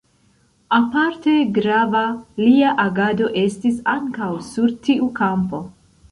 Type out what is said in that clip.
Aparte grava lia agado estis ankaŭ sur tiu kampo.